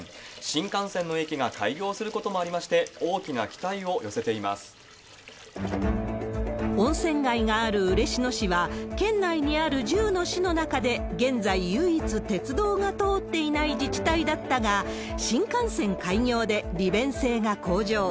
新幹線の駅が開業することもありまして、温泉街がある嬉野市は、県内にある１０の市の中で、現在唯一鉄道が通っていない自治体だったが、新幹線開業で利便性が向上。